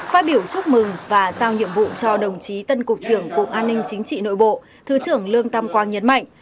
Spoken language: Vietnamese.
phát biểu chúc mừng và sao nhiệm vụ cho đồng chí tân cục trưởng cục an ninh chính trị nội bộ thứ trưởng lương tam quang nhấn mạnh